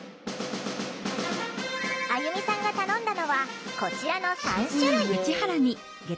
あゆみさんが頼んだのはこちらの３種類。